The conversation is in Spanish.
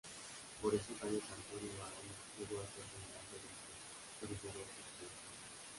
Por esos años Antonio Barona llegó a ser general de División por riguroso escalafón.